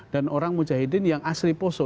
dan orang mujahidin yang asri poso